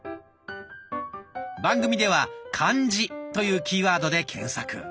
番組では「漢字」というキーワードで検索。